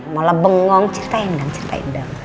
malah bengong ceritain dong ceritain dong